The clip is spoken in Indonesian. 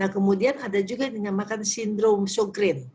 kemudian ada juga yang dinamakan sindrom socreen